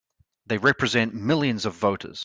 They represent millions of voters!